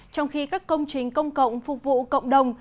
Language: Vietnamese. trong khi các công trình công cộng phục vụ cộng đồng